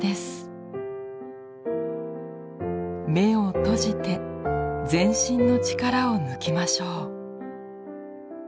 目を閉じて全身の力を抜きましょう。